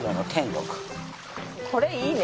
これいいね。